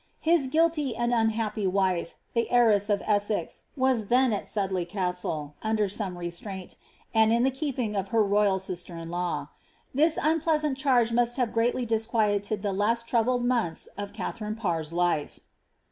His guilty and un h^py wife, the heiress of Essex, was then at Sudley Castle, under ■ome restraint, and in the keeping of her royal sister in law. This onideasant charge must have greatly disquieted tlie last troubled months of Katharine Parr's life.'